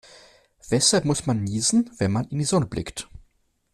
Weshalb muss man niesen, wenn man in die Sonne blickt?